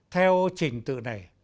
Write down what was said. theo trình tự này